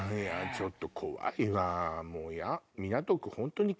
ちょっと怖いわもう嫌。